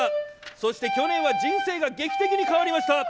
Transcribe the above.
そして去年は人生が劇的に変わりました。